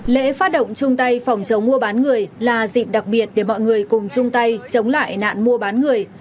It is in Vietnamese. lễ phát động chung tay phòng chống mua bán người là dịp đặc biệt để mọi người cùng chung tay chống lại nạn mua bán người